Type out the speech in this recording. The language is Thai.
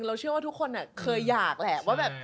เราเชื่อว่าทุกคนเคยอยากแหละ